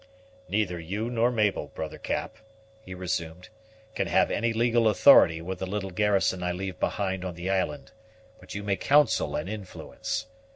"Neither you nor Mabel, brother Cap," he resumed, "can have any legal authority with the little garrison I leave behind on the island; but you may counsel and influence.